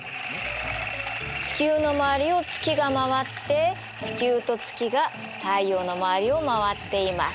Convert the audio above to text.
地球の周りを月が回って地球と月が太陽の周りを回っています。